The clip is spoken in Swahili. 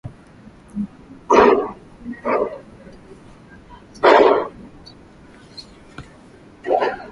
Japo inasemekana walikuwa wakipatikana pia nchini Ethiopia na Somalia ila kwasasa uhakika wa upatikanaji